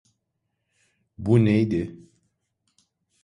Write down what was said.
Bu neydi?